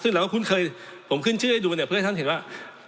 ซึ่งเราก็คุ้นเคยผมขึ้นชื่อให้ดูเนี่ยเพื่อให้ท่านเห็นว่า